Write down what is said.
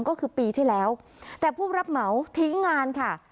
ก็คือปีที่แล้วแต่ผู้รับเหมาทิ้งงานค่ะ